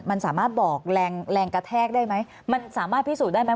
มันสามารถบอกแรงแรงกระแทกได้ไหมมันสามารถพิสูจน์ได้ไหม